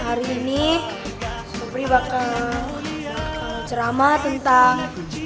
hari ini sobri akan menceramah tentang